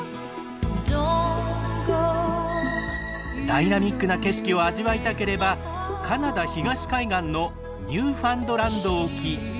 ダイナミックな景色を味わいたければカナダ東海岸のニューファンドランド沖。